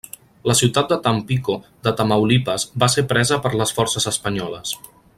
La ciutat de Tampico de Tamaulipas va ser presa per les forces espanyoles.